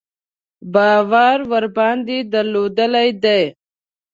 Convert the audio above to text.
باور ورباندې درلودلی دی.